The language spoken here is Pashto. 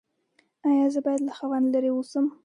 ایا زه باید له خاوند لرې اوسم؟